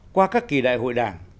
qua các kỳ đại hội đảng